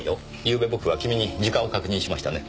ゆうべ僕は君に時間を確認しましたね？